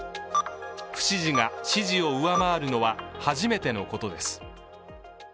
不支持が支持を上回るのは初めてのことです。